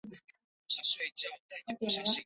治所约在今越南乂安省南坛县境内。